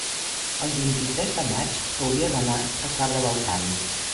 el vint-i-tres de maig hauria d'anar a Cabra del Camp.